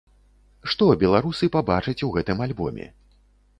Што беларусы пабачаць у гэтым альбоме?